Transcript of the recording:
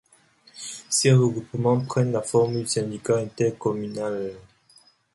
Ces regroupements prennent la forme du syndicat intercommunal.